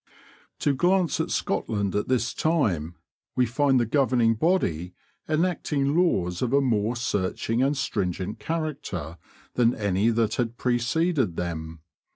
To glance at Scotland at this time, we find the governing body enacting laws of a more searching and stringent character than any that had preceded them.